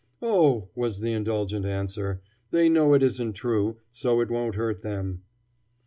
"Oh," was the indulgent answer, "they know it isn't true, so it won't hurt them."